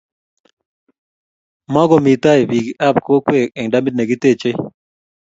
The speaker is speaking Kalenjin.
mokomii taai biik ab kokwee en damit nekitechei